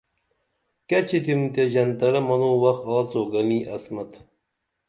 کیہ چِتُم تے ژنترہ منوں وخ آڅو گنی عصمت